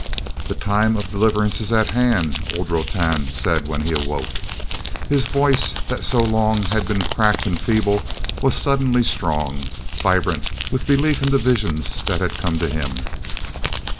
"The time of deliverance is at hand," old Rotan said when he awoke. His voice that so long had been cracked and feeble was suddenly strong, vibrant with belief in the visions that had come to him.